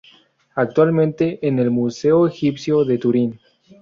Actualmente en el Museo Egipcio de Turín.